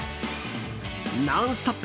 「ノンストップ！」